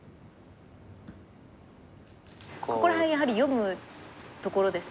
ここら辺やはり読むところですかね。